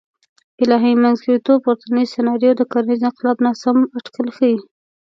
الهي منځګړیتوب پورتنۍ سناریو د کرنیز انقلاب ناسم اټکل ښیي.